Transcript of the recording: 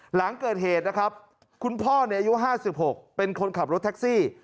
หลังเกิดเหตุนะครับคุณพ่ออายุ๕๖เป็นคนขับรถแท็กซี่